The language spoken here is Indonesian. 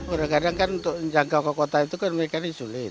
orang kadang kan untuk jangkau ke kota itu kan mereka sulit